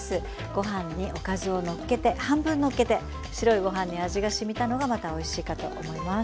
ご飯におかずをのっけて半分のっけて白いご飯に味がしみたのがまたおいしいかと思います。